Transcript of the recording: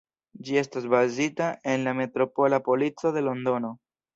Ĝi estas bazita en la Metropola Polico de Londono.